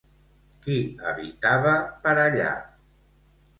Qui habitava per allà?